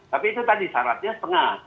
tapi itu tadi syaratnya setengah